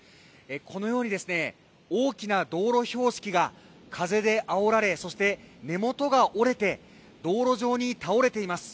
このように大きな道路標識が風であおられ、そして根元が折れて道路上に倒れています。